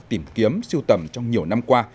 tìm kiếm sưu tầm trong nhiều năm qua